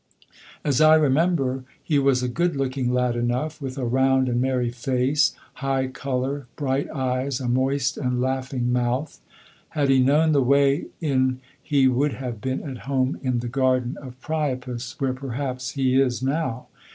As I remember, he was a good looking lad enough, with a round and merry face, high colour, bright eyes, a moist and laughing mouth. Had he known the way in he would have been at home in the Garden of Priapus, where perhaps he is now.